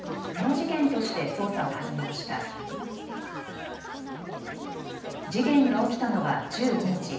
事件が起きたのは１５日。